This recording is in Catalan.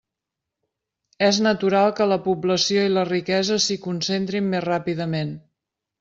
És natural que la població i la riquesa s'hi concentrin més ràpidament.